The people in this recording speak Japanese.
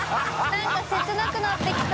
なんか切なくなってきた。